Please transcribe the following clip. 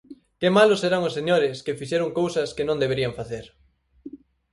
Que malos serán os señores que fixeron cousas que non deberían facer.